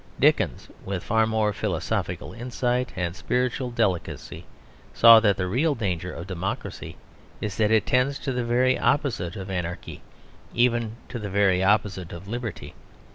Dickens, with far more philosophical insight and spiritual delicacy, saw that the real danger of democracy is that it tends to the very opposite of anarchy; even to the very opposite of liberty.